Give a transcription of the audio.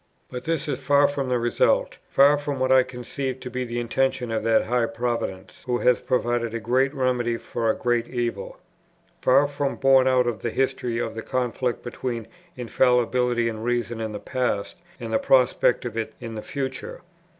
But this is far from the result, far from what I conceive to be the intention of that high Providence who has provided a great remedy for a great evil, far from borne out by the history of the conflict between Infallibility and Reason in the past, and the prospect of it in the future.